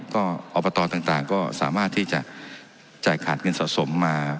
ก็อบตต่างก็สามารถที่จะจ่ายขาดเงินสะสมมา